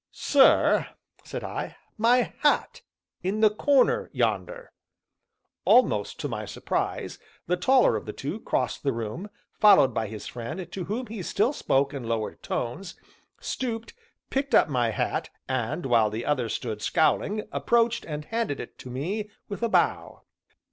"Sir," said I, "my hat in the corner yonder." Almost to my surprise, the taller of the two crossed the room, followed by his friend, to whom he still spoke in lowered tones, stooped, picked up my hat, and, while the other stood scowling, approached, and handed it to me with a bow.